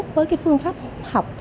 với phương pháp học